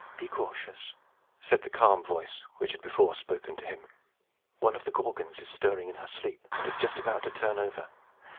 "Be cautious," said the calm voice which had before spoken to him. "One of the Gorgons is stirring in her sleep, and is just about to turn over.